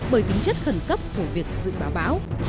bởi tính chất khẩn cấp của việc dự báo bão